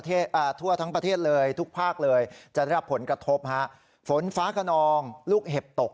อ่าทั่วทั้งประเทศเลยทุกภาคเลยจะได้รับผลกระทบฮะฝนฟ้าขนองลูกเห็บตก